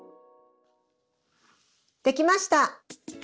できました。